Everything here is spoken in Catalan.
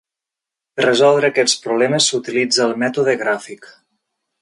Per resoldre aquests problemes s'utilitza el mètode gràfic.